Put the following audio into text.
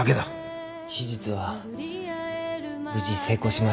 手術は無事成功しました。